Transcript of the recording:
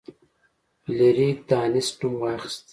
فلیریک د انیسټ نوم واخیست.